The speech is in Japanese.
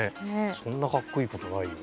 そんなかっこいいことないよ。